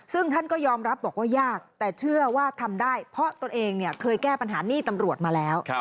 ซึ่งท่านก็ยอมรับบอกว่ายากแต่เชื่อว่าทำได้เพราะตนเองเคยแก้ปัญหาหนี้ตำรวจมาแล้ว